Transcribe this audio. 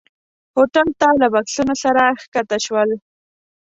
هوټل ته له بکسونو سره ښکته شول.